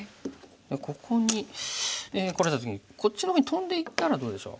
ここに来られた時にこっちの方にトンでいったらどうでしょう。